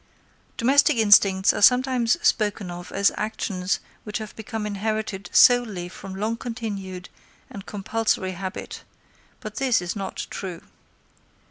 Domestic instincts are sometimes spoken of as actions which have become inherited solely from long continued and compulsory habit, but this is not true.